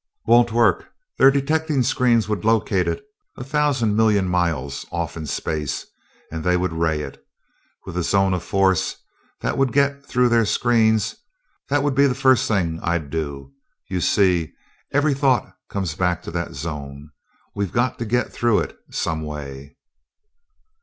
"Wouldn't work. Their detecting screens would locate it a thousand million miles off in space, and they would ray it. With a zone of force that would get through their screens, that would be the first thing I'd do. You see, every thought comes back to that zone. We've got to get through it some way."